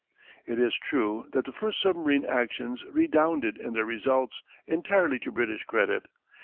It is true that the first submarine actions redounded in their results entirely to British credit.